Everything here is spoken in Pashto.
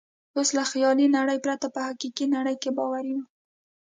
اوس له خیالي نړۍ پرته په حقیقي نړۍ کې باوري وم.